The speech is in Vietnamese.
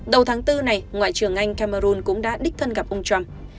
đầu tháng bốn này ngoại trưởng anh cameroon cũng đã đích thân gặp ông trump